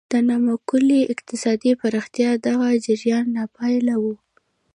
د نامعقولې اقتصادي پراختیا دغه جریان ناپایه و.